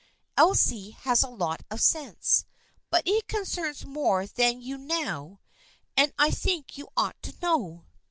" Elsie has a lot of sense. But it concerns more than you now, and I think you ought to know."